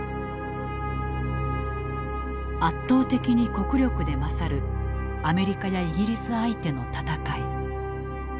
圧倒的に国力で勝るアメリカやイギリス相手の戦い。